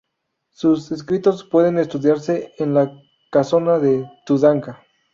Sus escritos pueden estudiarse en la Casona de Tudanca.